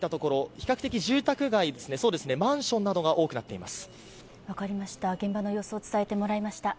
比較的マンションが多くなっています。